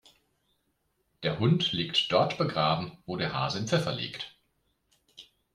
Der Hund liegt dort begraben, wo der Hase im Pfeffer liegt.